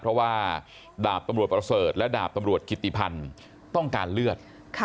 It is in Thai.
เพราะว่าดาบตำรวจประเสริฐและดาบตำรวจกิติพันธ์ต้องการเลือด